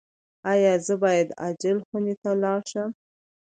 ایا زه باید عاجل خونې ته لاړ شم؟